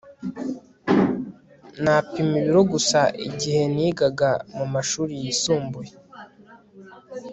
Napima ibiro gusa igihe nigaga mumashuri yisumbuye